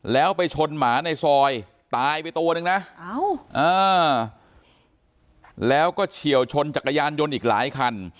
แล้วไปชนหมาในซอยตายไปตัวนึงนะแล้วก็เฉียวชนจักรยานยนต์อีกหลายคัน